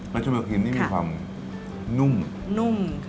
แบชเนลครีมนี่มีความนุ่ม